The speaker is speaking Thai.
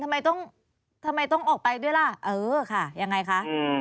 ทำไมต้องออกไปด้วยล่ะเออค่ะยังไงคะ